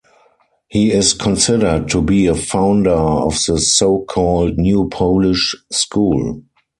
He is considered to be a founder of the so-called "New Polish School".